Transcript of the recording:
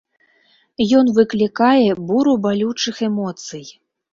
Ён выклікае буру балючых эмоцый.